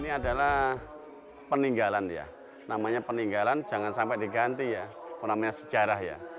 ini adalah peninggalan ya namanya peninggalan jangan sampai diganti ya namanya sejarah ya